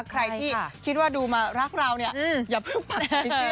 ใครที่คิดว่าดูมารักเราเนี่ยอย่าเพิ่งไปจริง